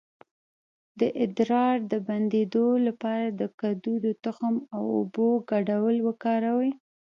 د ادرار د بندیدو لپاره د کدو د تخم او اوبو ګډول وکاروئ